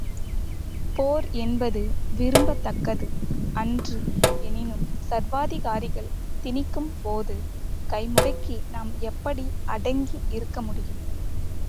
போர் என்பது விரும்பத்தக்கது அன்று எனினும் சர்வாதிகாரிகள் திணிக்கும் போது கைமுடங்கி நாம் எப்படி அடங்கி இருக்க முடியும்?